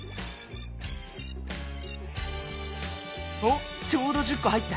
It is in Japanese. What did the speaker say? おちょうど１０こ入った！